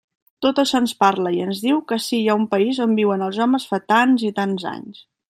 Tot això ens parla i ens diu que ací hi ha un país on viuen els homes fa tants i tants anys.